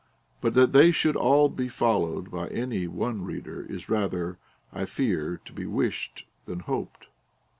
But that they should all be followed by any one reader is rather, I fear, to be wished than hoped.